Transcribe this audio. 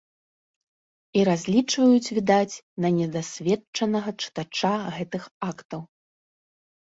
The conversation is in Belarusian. І разлічваюць, відаць, на недасведчанага чытача гэтых актаў.